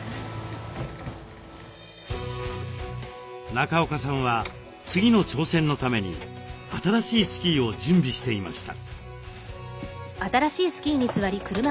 中岡さんは次の挑戦のために新しいスキーを準備していました。